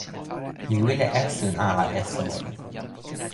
mi wile esun ala e soweli.